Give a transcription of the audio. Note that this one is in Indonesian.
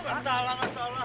gak salah gak salah